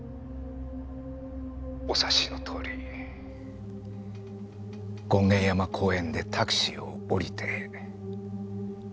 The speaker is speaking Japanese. お察しのとおり権現山公園でタクシーを降りて彼女の家に行きました。